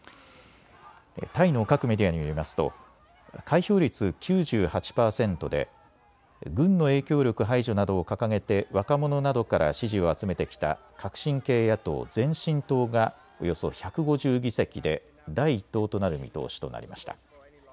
タイの各メディアによりますと開票率９８％で軍の影響力排除などを掲げて若者などから支持を集めてきた革新系野党、前進党がおよそ１５０議席で第１党となる見通しとなりました。